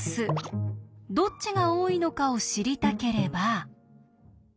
どっちが多いのかを知りたければ。